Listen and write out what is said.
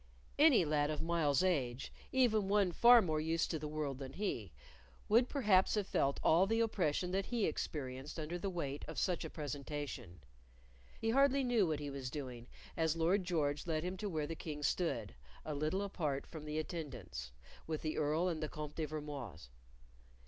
Any lad of Myles's age, even one far more used to the world than he, would perhaps have felt all the oppression that he experienced under the weight of such a presentation. He hardly knew what he was doing as Lord George led him to where the King stood, a little apart from the attendants, with the Earl and the Comte de Vermoise.